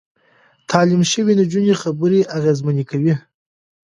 تعليم شوې نجونې خبرې اغېزمنې کوي.